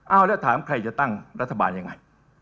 เอาแล้วถามใครจะตั้งรัฐบาลยังไง